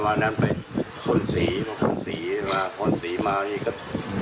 วันนั้นไปคนศรีคนศรีมาคนศรีมานี่ก็